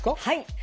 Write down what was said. はい。